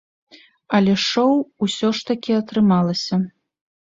Але шоў усё ж такі атрымалася.